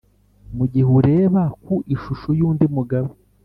mugihe ureba 'ku ishusho yundi mugabo